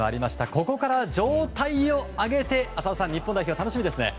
ここから状態を上げて浅尾さん日本代表楽しみですね。